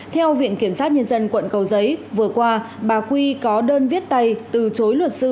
theo viện kiểm sát nhân dân quận cầu giấy vừa qua bà quy có đơn viết tay từ chối luật sư